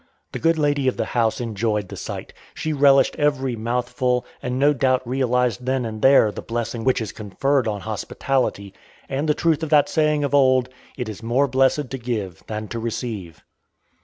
The good lady of the house enjoyed the sight. She relished every mouthful, and no doubt realized then and there the blessing which is conferred on hospitality, and the truth of that saying of old: "It is more blessed to give than to receive."